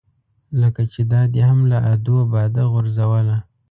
لکه چې دا دې هم له ادو باده غورځوله.